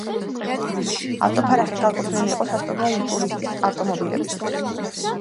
ავტოფარეხი განკუთვნილი იყო სასტუმრო ინტურისტის ავტომობილებისთვის.